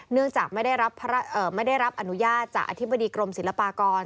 เนื่องจากไม่ได้รับอนุญาตจากอธิบดีกรมศิลปากร